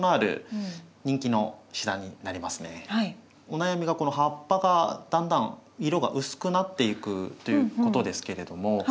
お悩みがこの葉っぱがだんだん色が薄くなっていくということですけれども。